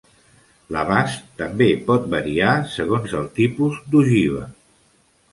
L'abast també pot variar a segons el tipus d'ogiva.